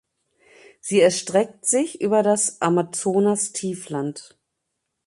Sie erstreckt sich über das Amazonastiefland.